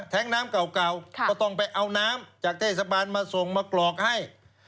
น้ำเก่าก็ต้องไปเอาน้ำจากเทศบาลมาส่งมากรอกให้